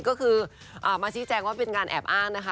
ก็คือมาชี้แจงว่าเป็นการแอบอ้างนะคะ